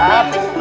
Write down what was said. nah oke deh